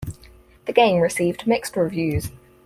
The game received mixed reviews.